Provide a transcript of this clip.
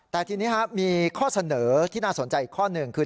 แต่ทีนี้มีข้อเสนอที่น่าสนใจอีกข้อหนึ่งคือ